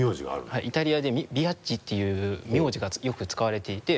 はいイタリアで「ビアッジ」っていう名字がよく使われていて。